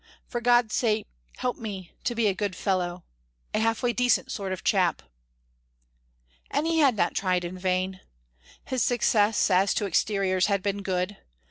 For God's sake help me to be a good fellow a half way decent sort of chap!" And he had not tried in vain. His success, as to exteriors, had been good. Mrs.